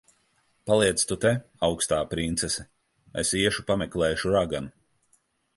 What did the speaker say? Paliec tu te, augstā princese. Es iešu pameklēšu raganu.